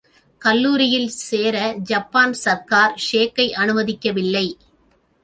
கல்லூரியில் சேர ஜப்பான் சர்க்கார் ஷேக்கை அனுமதிக்கவில்லை.